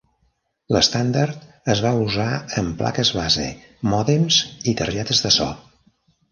L'estàndard es va usar en plaques base, mòdems i targetes de so.